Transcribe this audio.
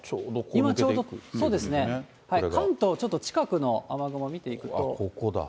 今ちょうど、そうですね、関東、ちょっと近くの雨雲、見ていくと。